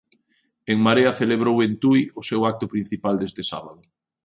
En Marea celebrou en Tui o seu acto principal deste sábado.